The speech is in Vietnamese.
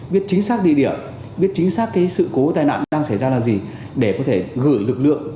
biết chính xác địa điểm biết chính xác cái sự cố tai nạn đang xảy ra là gì để có thể gửi lực lượng